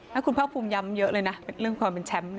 ถ้าคุณภาคภูมิย้ำเยอะเลยนะเรื่องความเป็นแชมป์